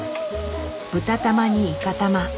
豚玉にいか玉。